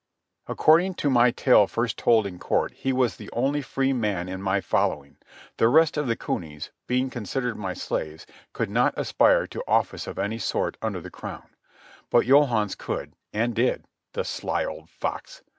According to my tale first told in Court, he was the only free man in my following. The rest of the cunies, being considered my slaves, could not aspire to office of any sort under the crown. But Johannes could, and did. The sly old fox!